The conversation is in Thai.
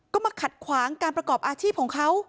ก็มาขัดขวางการประกอบอาชีพของเขา